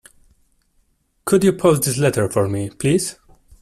Could you post this letter for me please?